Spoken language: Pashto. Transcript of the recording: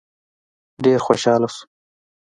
ډېر خوشحاله شو.